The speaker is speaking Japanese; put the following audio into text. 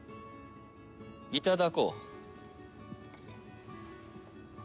いただこう。